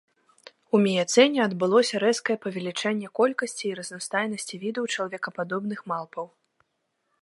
У міяцэне адбылося рэзкае павелічэнне колькасці і разнастайнасці відаў чалавекападобных малпаў.